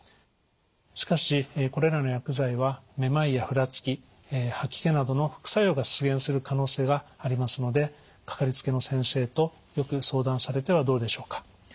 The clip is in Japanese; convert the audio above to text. しかしこれらの薬剤はめまいやふらつき吐き気などの副作用が出現する可能性がありますのでかかりつけの先生とよく相談されてはどうでしょうか。